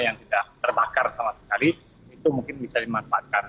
yang tidak terbakar sama sekali itu mungkin bisa dimanfaatkan